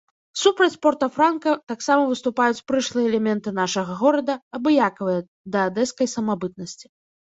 Супраць порта-франка таксама выступаюць прышлыя элементы нашага горада, абыякавыя да адэскай самабытнасці.